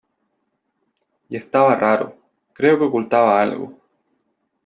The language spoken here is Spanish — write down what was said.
y estaba raro . creo que ocultaba algo .